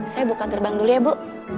saya buka gerbang dulu ya bu